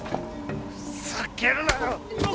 ふざけるな！